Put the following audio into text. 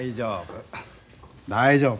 大丈夫。